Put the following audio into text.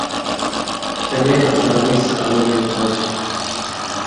چھلے اڑتالیس سالوں میں فوج